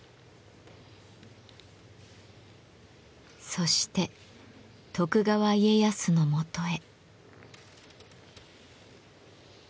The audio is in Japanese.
そして徳川家康の元へ。